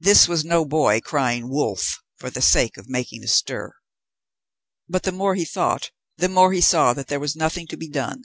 This was no boy crying "wolf" for the sake of making a stir. But the more he thought, the more he saw that there was nothing to be done.